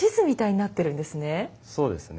そうですね。